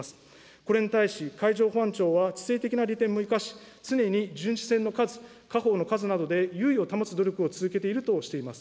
これに対し、海上保安庁は、地政的な利点を生かし、常に巡視船の数、火砲の数などで優位を保つ努力をしているとしています。